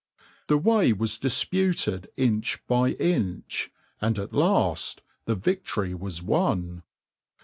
The way was disputed inch by inch, and at last the victory was won.